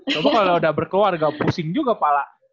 coba kalau udah berkeluarga pusing juga pak